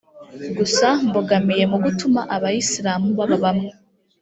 Gusa Mbogamiye mu gutuma Abayisilamu baba bamwe